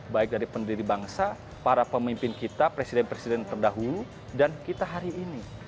baik dari pendiri bangsa para pemimpin kita presiden presiden terdahulu dan kita hari ini